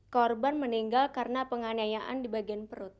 korban meninggal karena penganiayaan di bagian perut